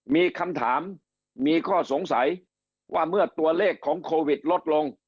มีคำถามมีข้อสงสัยว่าเมื่อตัวเลขของโควิดลดลง